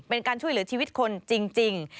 เป็นการช่วยเหลือชีวิตคนจริง